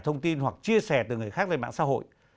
thông tin hoặc chia sẻ từ người khác về mạng xã hội